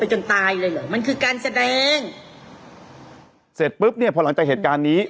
จนตายเลยเหรอมันคือการแสดงเสร็จปุ๊บเนี่ยพอหลังจากเหตุการณ์นี้